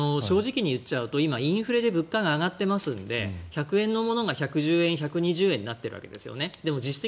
今、インフレで物価が上がってますので１００円のものが１１０円、１２０円になっているわけですよね。